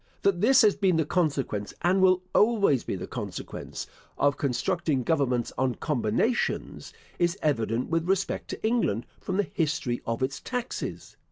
That this has been the consequence (and will always be the consequence) of constructing governments on combinations, is evident with respect to England, from the history of its taxes.